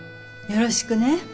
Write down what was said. よろしくね。